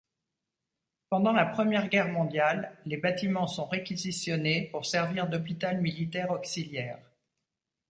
Pendant la Première Guerre mondiale, les bâtiments sont réquisitionnés pour servir d'hôpital militaire auxiliaire.